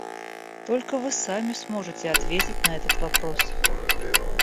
Только вы сами сможете ответить на этот вопрос.